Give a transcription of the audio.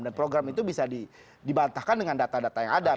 dan program itu bisa dibantahkan dengan data data yang ada